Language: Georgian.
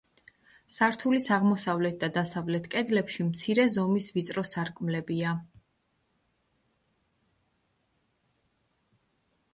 სართულის აღმოსავლეთ და დასავლეთ კედლებში მცირე ზომის, ვიწრო სარკმლებია.